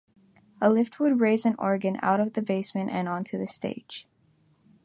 A lift would raise an organ out of the basement and onto the stage.